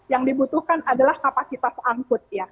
yang dibutuhkan adalah kapasitas angkut ya